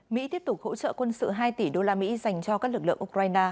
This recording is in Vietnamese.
mỹ tiếp tục hỗ trợ quân sự hai tỷ đô la mỹ dành cho các lực lượng ukraine